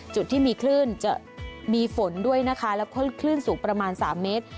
จุดที่มีคลื่นจะมีฝนด้วยนะคะแล้วก็คลื่นสูงประมาณ๓เมตร